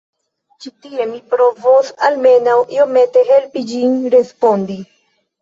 Ĉi tie mi provos almenaŭ iomete helpi ĝin respondi.